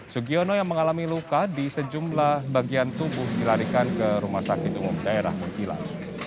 sugiono yang mengalami luka di sejumlah bagian tubuh dilarikan ke rumah sakit umum daerah mutilak